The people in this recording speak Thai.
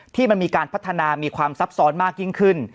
ที่มันมีการพัฒนามีความซับซ้อนมากยิ่งขึ้น